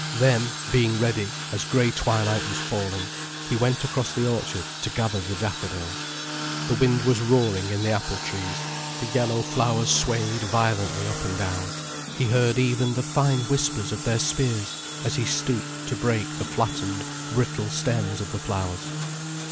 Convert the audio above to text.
Then, being ready, as grey twilight was falling, he went across to the orchard to gather the daffodils. The wind was roaring in the apple trees, the yellow flowers swayed violently up and down, he heard even the fine whisper of their spears as he stooped to break the flattened, brittle stems of the flowers.